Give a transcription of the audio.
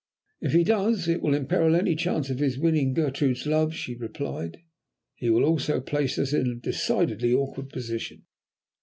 "If he does he will imperil any chance he has of winning Gertrude's love," she replied. "He will also place us in a decidedly awkward position."